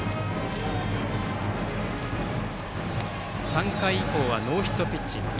３回以降はノーヒットピッチング。